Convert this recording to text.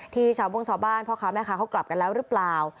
ที่ชาวกรุงชาวบ้านพ่อขาวแม่ขากลับกันแล้วหรือเปล่า